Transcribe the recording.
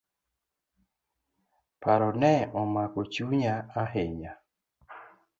Paro ne omako chunya ahinya.